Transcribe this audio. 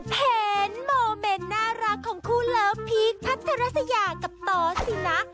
โมเมนต์น่ารักของคู่เลิฟพีคพัทรัสยากับตอสสินะ